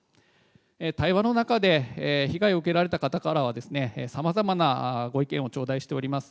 対話の中で、被害を受けられた方からはさまざまなご意見を頂戴しております。